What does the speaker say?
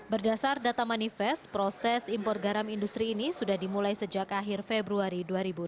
berdasar data manifest proses impor garam industri ini sudah dimulai sejak akhir februari dua ribu dua puluh